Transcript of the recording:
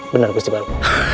benar gusti prabu